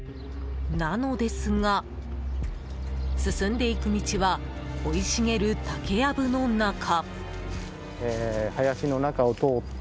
なのですが、進んでいく道は生い茂る竹やぶの中。